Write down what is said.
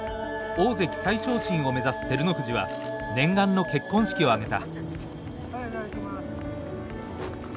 大関再昇進を目指す照ノ富士は念願の結婚式を挙げた。